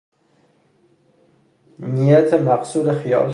نیت مقصود خیال